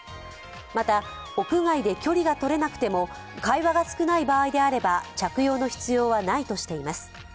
また屋外で距離がとれなくても会話が少ない場合であれば、着用の必要はないとしています。